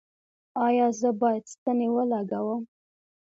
ایا زه باید ستنې ولګوم؟